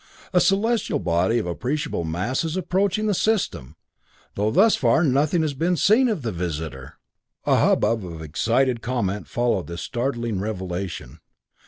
A celestial body of appreciable mass is approaching the System; though thus far nothing has been seen of the visitor!" A hubbub of excited comment followed this startling revelation.